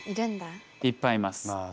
いっぱいいます。